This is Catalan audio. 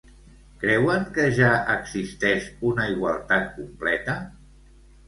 Creuen que ja existeix una igualtat completa?